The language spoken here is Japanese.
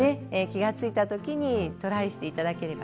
気が付いた時にトライしていただければ。